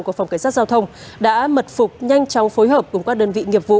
của phòng cảnh sát giao thông đã mật phục nhanh chóng phối hợp cùng các đơn vị nghiệp vụ